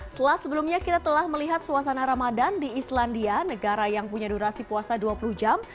setelah sebelumnya kita telah melihat suasana ramadan di islandia negara yang punya durasi puasa dua puluh jam